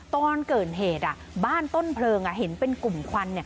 ตอนเกิดเหตุบ้านต้นเพลิงเห็นเป็นกลุ่มควัน